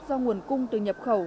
do nguồn cung từ nhập khẩu